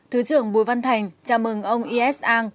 thứ trưởng bùi văn thành chào mừng ông yess ang